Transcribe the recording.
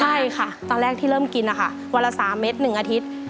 ใช่ค่ะตอนแรกที่เริ่มกินนะคะวันละ๓เม็ด๑อาทิตย์